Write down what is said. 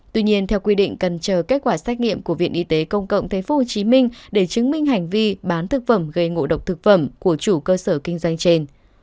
tuy nhiên theo quy định cần chờ kết quả xét nghiệm của viện y tế công cộng tp hcm để chứng minh hành vi bán thực phẩm gây ngộ độc thực phẩm của chủ cơ sở kinh doanh trên